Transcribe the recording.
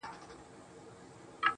غزل مې نظم کړو په دومره اسان کړے مې دے